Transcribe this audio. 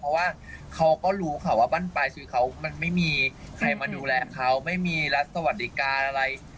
เพราะว่าเขาก็รู้ค่ะว่าบ้านปลายชีวิตเขามันไม่มีใครมาดูแลเขาไม่มีรัฐสวัสดิการอะไร